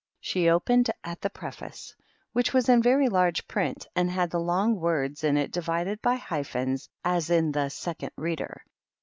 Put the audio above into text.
She opened at the preface, which was in very large print, and had the long words in it divided by hyphens, as in the "Second Reader."